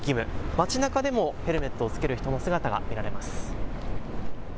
街なかでもヘルメットをつける人の姿が見られます。